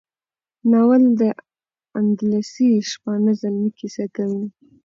ناول د اندلسي شپانه زلمي کیسه کوي.